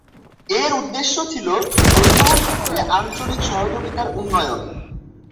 এর উদ্দেশ্য ছিল পরিবহণ ক্ষেত্রে আঞ্চলিক সহযোগিতার উন্নয়ন।